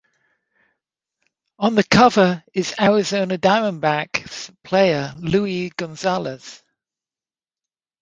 On the cover is Arizona Diamondbacks player Luis Gonzalez.